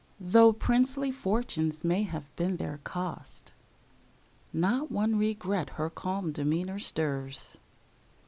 Though princely fortunes may have been their cost, Not one regret her calm demeanor stirs.